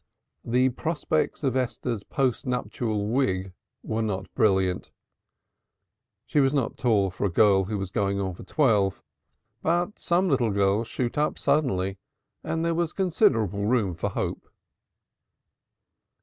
The prospects of Esther's post nuptial wig were not brilliant. She was not tall for a girl who is getting on for twelve; but some little girls shoot up suddenly and there was considerable room for hope.